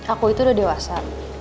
aku itu udah dewasa